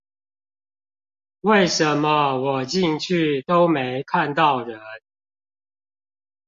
為什麼我進去都沒看到人